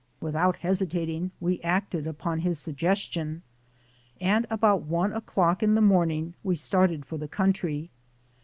Without hesitating we acted upon his suggestion, and about one o'clock in the morning we started for the country.